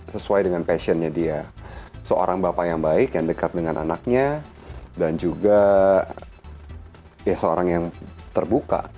sesuai dengan passionnya dia seorang bapak yang baik yang dekat dengan anaknya dan juga ya seorang yang terbuka